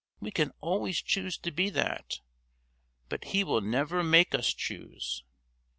We can always choose to be that, but He will never make us choose.